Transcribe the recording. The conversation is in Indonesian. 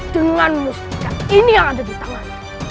dengan mustika ini yang ada di tangan